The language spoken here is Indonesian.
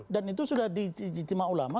dan itu sudah di ijtima'ul iyah